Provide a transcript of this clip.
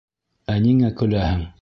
Ә ниңә көләһең?